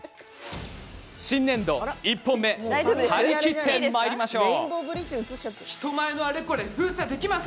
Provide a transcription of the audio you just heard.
新年度、１本目張り切ってまいりましょう！